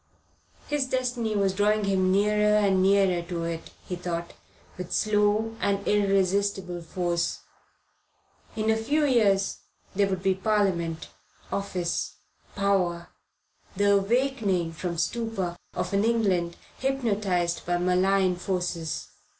His destiny was drawing him nearer and nearer to it, he thought, with slow and irresistible force. In a few years there would be Parliament, office, power, the awaking from stupor of an England hypnotized by malign influences.